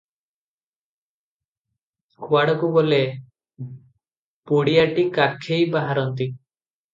କୁଆଡକୁ ଗଲେ ବଡ଼ିଆଟି କାଖେଇ ବାହାରନ୍ତି ।